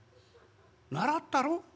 習ったろ？